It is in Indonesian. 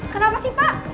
kenapa sih pak